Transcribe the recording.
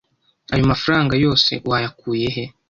Ayo mafranga yose wayakuye he?